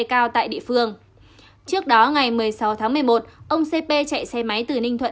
xã tân văn lâm hà